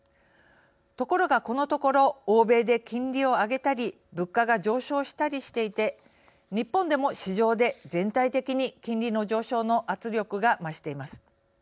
ところが、このところ欧米で金利を上げたり物価が上昇したりしていて日本でも、市場で全体的に金利の上昇の圧力が増しています。